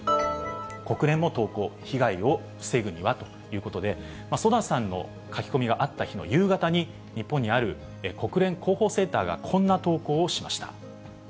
国連も投稿、被害を防ぐにはということで、ソダさんの書き込みがあった日の夕方に、日本にある国連広報センターが、こんな投稿をしました。